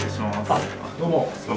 あっどうも。